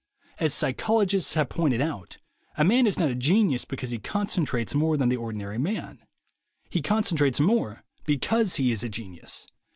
As psychologists have pointed out, a man is not a genius because he concentrates more than the ordi nary man; he concentrates more because he is a genius.